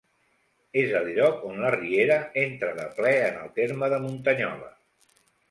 És el lloc on la riera entra de ple en el terme de Muntanyola.